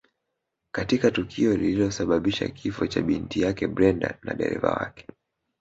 Katika tukio lililosababisha kifo cha binti yake Brenda na dereva wake